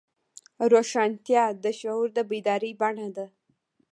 روښانتیا د شعور د بیدارۍ بڼه ده.